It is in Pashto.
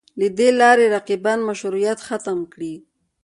له دې لارې رقیبانو مشروعیت ختم کړي